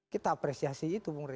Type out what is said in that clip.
kita apresiasi itu bung rey